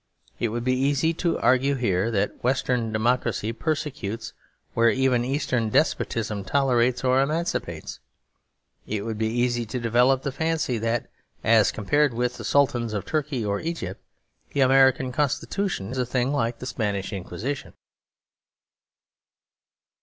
It would be easy to argue here that Western democracy persecutes where even Eastern despotism tolerates or emancipates. It would be easy to develop the fancy that, as compared with the sultans of Turkey or Egypt, the American Constitution is a thing like the Spanish Inquisition.